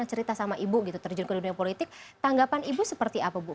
dan cerita sama ibu gitu terjun ke dunia politik tanggapan ibu seperti apa bu